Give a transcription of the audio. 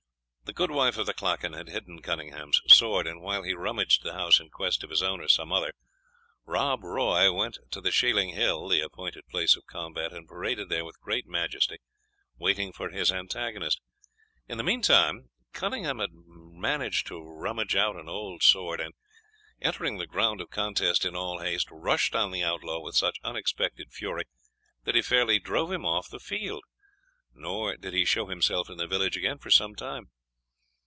The goodwife of the clachan had hidden Cunningham's sword, and while he rummaged the house in quest of his own or some other, Rob Roy went to the Shieling Hill, the appointed place of combat, and paraded there with great majesty, waiting for his antagonist. In the meantime, Cunningham had rummaged out an old sword, and, entering the ground of contest in all haste, rushed on the outlaw with such unexpected fury that he fairly drove him off the field, nor did he show himself in the village again for some time.